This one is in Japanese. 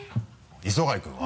磯貝君は？